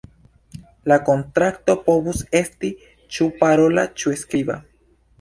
La kontrakto povus esti ĉu parola ĉu skriba.